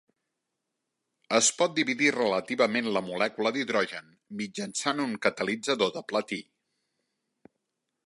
Es pot dividir relativament la molècula d'hidrogen mitjançant un catalitzador de platí.